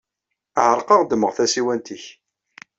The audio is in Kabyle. Ɛerqeɣ, ddmeɣ tasiwant-nnek.